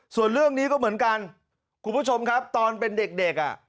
ส่วนเรื่องนี้ก็เหมือนกันคุณผู้ชมครับตอนเป็นเด็กอ่ะ